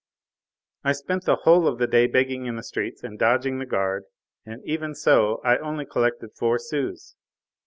I spent the whole of the day begging in the streets and dodging the guard, and even so I only collected four sous.